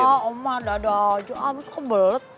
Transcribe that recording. ah om mah dadah aja abah suka kebelet